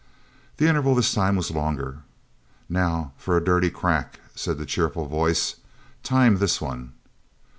The interval this time was longer. "Now for a dirty crack," said the cheerful voice. "Time this one."